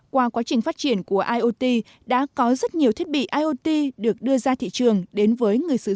qua quá trình phát triển của iot đã có rất nhiều thiết bị iot được đưa ra thị trường đến với người sử dụng